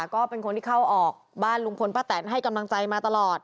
ก็เป็นคนที่เข้าออกบ้านลุงพลป้าแตนให้กำลังใจมาตลอด